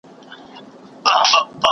د هرات په صنعت کي د مدیریت رول څه دی؟